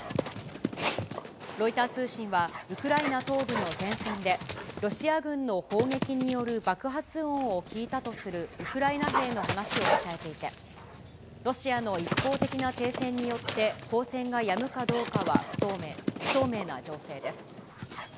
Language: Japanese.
ロイター通信は、ウクライナ東部の前線で、ロシア軍の砲撃による爆発音を聞いたとするウクライナ兵の話を伝えていて、ロシアの一方的な停戦によって交戦がやむかどうかは不透明な情勢です。